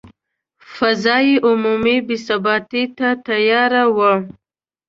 فضا عمومي بې ثباتي ته تیاره وه.